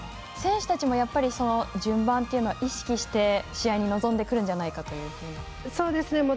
選手たちもやっぱり順番というのは意識して試合に臨んでくるんじゃないかということですか。